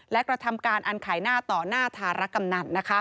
และกระทำการอันขายหน้าต่อหน้าธารกำนัน